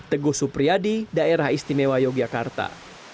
teguh supriyadi daerah istimewa yogyakarta